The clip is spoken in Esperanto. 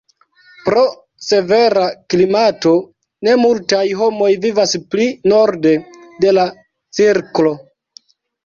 Pro severa klimato ne multaj homoj vivas pli norde de la cirklo.